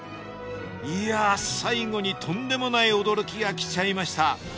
いや最後にとんでもない驚きがきちゃいました。